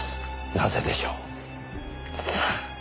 なぜでしょう？さあ。